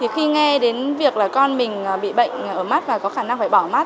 khi nghe đến việc là con mình bị bệnh ở mắt và có khả năng phải bỏ mắt